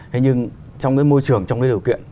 thế nhưng trong cái môi trường trong cái điều kiện